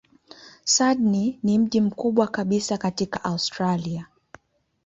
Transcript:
Sydney ni mji mkubwa kabisa katika Australia.